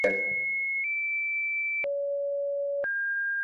رائے ساز لوگوں کی اخلاقی ذمہ داری دوسروں سے زیادہ ہے۔